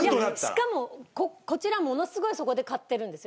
しかもこちらものすごいそこで買ってるんですよ。